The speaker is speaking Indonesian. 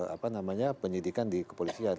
apa namanya penyidikan di kepolisian